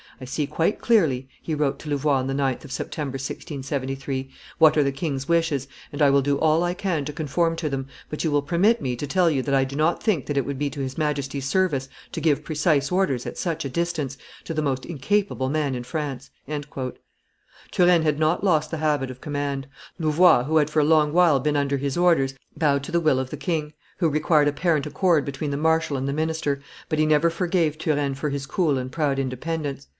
"I see quite clearly," he wrote to Louvois on the 9th of September, 1673, "what are the king's wishes, and I will do all I can to conform to them but you will permit me to tell you that I do not think that it would be to his Majesty's service to give precise orders, at such a distance, to the most incapable man in France." Turenne had not lost the habit of command; Louvois, who had for a long while been under his orders, bowed to the will of the king, who required apparent accord between the marshal and the minister, but he never forgave Turenne for his cool and proud independence.